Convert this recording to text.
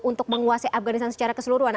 untuk menguasai afganistan secara keseluruhan